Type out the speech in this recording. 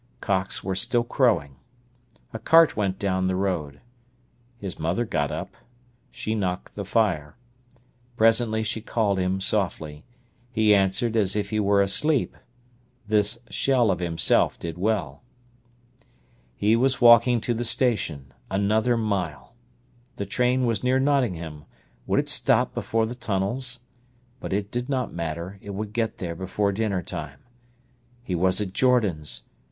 Cocks were still crowing. A cart went down the road. His mother got up. She knocked the fire. Presently she called him softly. He answered as if he were asleep. This shell of himself did well. He was walking to the station—another mile! The train was near Nottingham. Would it stop before the tunnels? But it did not matter; it would get there before dinner time. He was at Jordan's.